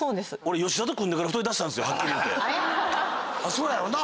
そうやろうな。